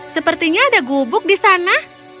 sepertinya ada gubuk di sana